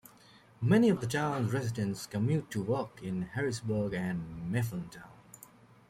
Many of the town's residents commute to work in Harrisburg and Mifflintown.